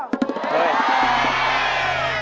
อะไรนี่